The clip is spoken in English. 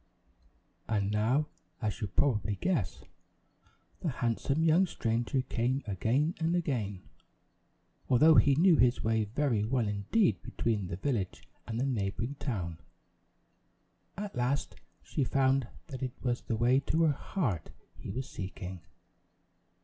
And now, as you probably guess, the handsome young stranger came again and again, although he knew his way very well indeed between the village and the neighboring town. At last she found that it was the way to her heart he was seeking.